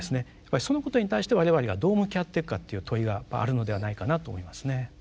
そのことに対して我々がどう向き合っていくかという問いがあるのではないかなと思いますね。